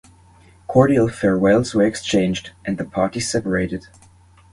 Cordial farewells were exchanged, and the party separated.